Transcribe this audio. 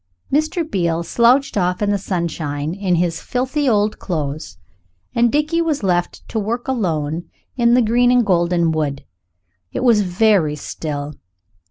Mr. Beale slouched off in the sunshine in his filthy old clothes, and Dickie was left to work alone in the green and golden wood. It was very still.